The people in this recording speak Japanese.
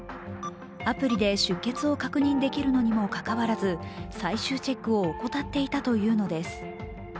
アプリで出欠を確認できるのにもかかわらず最終チェックを怠っていたというのです。